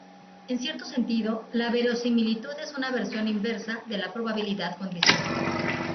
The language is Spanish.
En cierto sentido, la verosimilitud es una versión "inversa" de la probabilidad condicional.